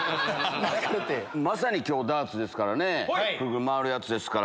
まさに今日ダーツですからね回るやつですから。